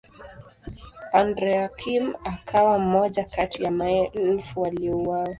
Andrea Kim akawa mmoja kati ya maelfu waliouawa.